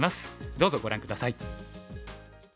どうぞご覧下さい。